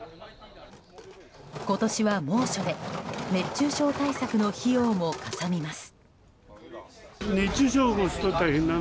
今年は猛暑で熱中症対策の費用もかさみます。